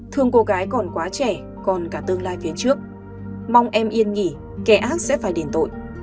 thương cô gái còn quá trẻ còn cả tương lai phía trước mong em yên nghỉ kẻ ác sẽ phải đền tội